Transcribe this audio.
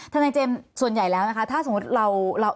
ท่านนายเจมส์ส่วนใหญ่แล้วนะครับ